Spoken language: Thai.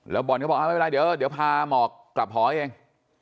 บอลก็บอกไม่เป็นไรเดี๋ยวพาหมอกกลับหอเอง